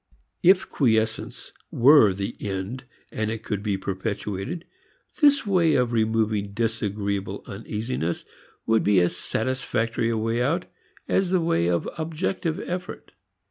If quiescence were the end and it could be perpetuated, this way of removing disagreeable uneasiness would be as satisfactory a way out as the way of objective effort.